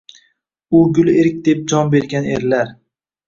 U gul erk deb jon bergan erlar